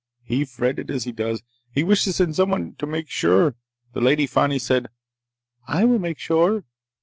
He fretted, as he does. He wished to send someone to make sure. The Lady Fani said; 'I will make sure!'